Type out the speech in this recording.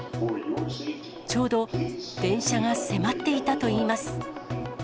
ちょうど、電車が迫っていたといいます。